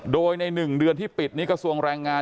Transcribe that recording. โดยใน๑เดือนที่ปิดนี้กระทรวงแรงงาน